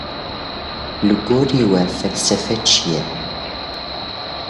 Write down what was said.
Li gorî we felsefe çi ye?